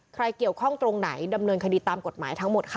ใครเกี่ยวข้องตรงไหนดำเนินคดีตามกฎหมายทั้งหมดค่ะ